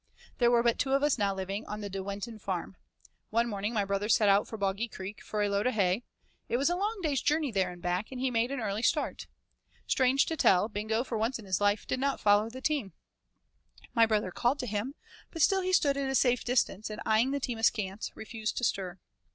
There were but two of us now living on the De Winton Farm. One morning my brother set out for Boggy Creek for a load of hay. It was a long day's journey there and back, and he made an early start. Strange to tell, Bingo for once in his life did not follow the team. My brother called to him, but still he stood at a safe distance, and eyeing the team askance, refused to stir.